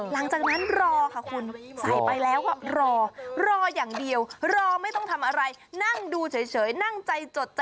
แต่คุณจะต้องจับตาดูนะ